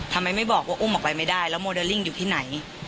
ทำไมไม่บอกว่าอุ้มออกไปไม่ได้แล้วโมเดลลิ่งอยู่ที่ไหน